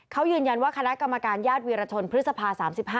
เขายืนยันว่าคณะกรรมการญาติวีรชนพฤษภา๓๕